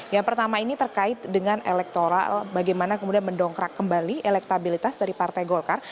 yang pertama ini terkait dengan elektoral bagaimana kemudian mendongkrak kembali elektabilitas dari partai golkar